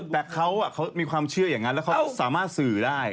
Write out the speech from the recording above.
แต่เขามีความเชื่ออย่างนั้นแล้วเขาสามารถสื่อได้